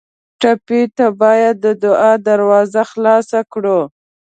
ټپي ته باید د دعا دروازه خلاصه کړو.